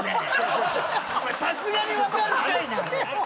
さすがに分かるかいな。